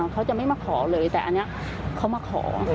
เขาจะไม่มาขอเลยแต่อันนี้เขามาขอ